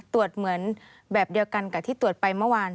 เหมือนแบบเดียวกันกับที่ตรวจไปเมื่อวาน